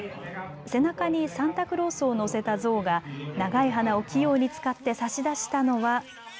背中にサンタクロースを乗せたゾウが長い鼻を器用に使って差し出したのは。